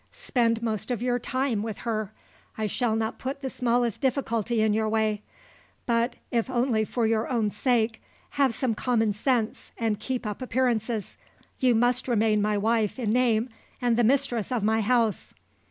Spend most of your time with her. I shall not put the smallest difficulty in your way. But if only for your own sake have some common sense and keep up appearances. You must remain my wife in name and the mistress of my house."